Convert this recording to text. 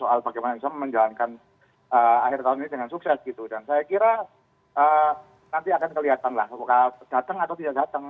apakah datang atau tidak datang